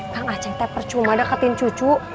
kang aceh teper cuma deketin cucu